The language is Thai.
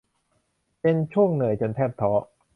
เป็นช่วงเหนื่อยจนแทบท้อ